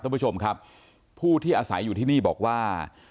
ท่านผู้ชมครับผู้ที่อาศัยอยู่ที่นี่บอกว่า